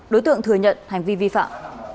đối tượng thừa nhận hành vi vi phạm